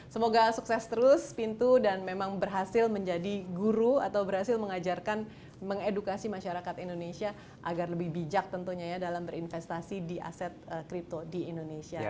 semoga sukses terus pintu dan memang berhasil menjadi guru atau berhasil mengajarkan mengedukasi masyarakat indonesia agar lebih bijak tentunya ya dalam berinvestasi di aset kripto di indonesia